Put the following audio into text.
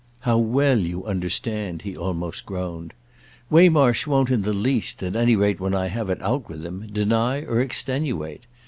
"How well you understand!" he almost groaned. "Waymarsh won't in the least, at any rate, when I have it out with him, deny or extenuate.